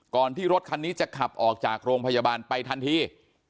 ที่รถคันนี้จะขับออกจากโรงพยาบาลไปทันที